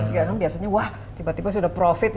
karena biasanya wah tiba tiba sudah profit